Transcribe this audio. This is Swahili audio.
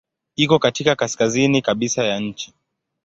Iko katika kaskazini kabisa ya nchi.